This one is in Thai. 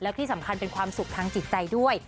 ที่สำคัญเป็นความสุขทางจิตใจด้วย